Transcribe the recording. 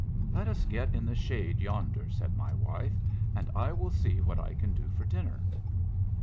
" Let us get in the shade yonder," said my wife, " and I will see what I can do for dinner."